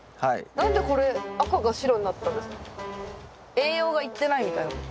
栄養がいってないみたいなこと？